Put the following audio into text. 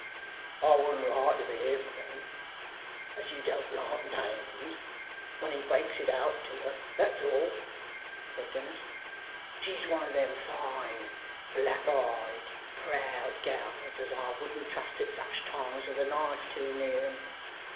'I wouldn't like to be HIM, then (as you don't like names), when he breaks it out to her; that's all,' said Dennis. 'She's one of them fine, black eyed, proud gals, as I wouldn't trust at such times with a knife too near 'em.